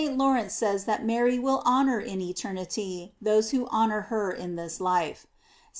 73< ard of St. Lawrence says that Mary will honor in eternity those who honor her in this life.* St.